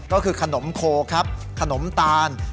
ก็คือขนมโคครับขนมตาล